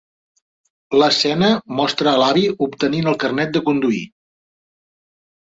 L'escena mostra a l'avi obtenint el carnet de conduir.